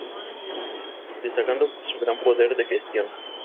Destacando por su gran poder de gestión.